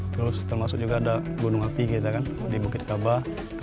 terus termasuk juga ada gunung api kita kan di bukit kabah